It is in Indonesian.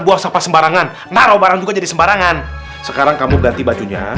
buang sampah sembarangan naruh barang juga jadi sembarangan sekarang kamu ganti bajunya